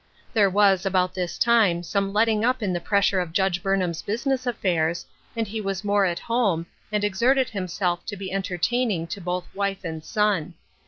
There was, about this time, some letting up in the pressure of Judge Burnham's business affairs, and he was more at home, and exerted himself to be entertaining to both wife and son.